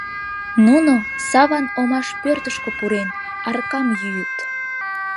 Нуно, Саван омаш пӧртышкӧ пурен, аракам йӱыт.